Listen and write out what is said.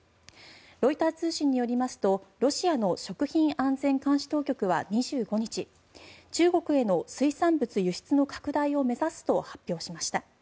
ロイター通信によりますとロシアの食品安全監視当局は２５日中国への水産物輸出の拡大を目指すと発表しました。